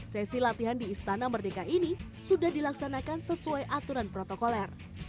sesi latihan di istana merdeka ini sudah dilaksanakan sesuai aturan protokoler